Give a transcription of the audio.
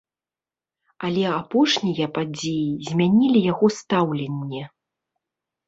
Але апошнія падзеі змянілі яго стаўленне.